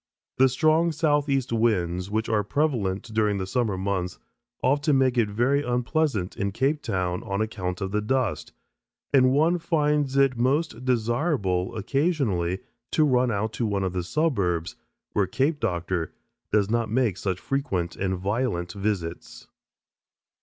The strong southeast winds, which are prevalent during the summer months, often make it very unpleasant in Cape Town on account of the dust, and one finds it most desirable occasionally to run out to one of the suburbs where "Cape Doctor" does not make such frequent and violent visits.